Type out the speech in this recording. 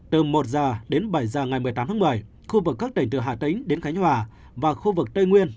từ một h đến bảy h ngày một mươi tám tháng một mươi khu vực các tỉnh từ hà tĩnh đến khánh hòa và khu vực tây nguyên